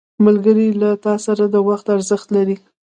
ملګری له تا سره د وخت ارزښت لري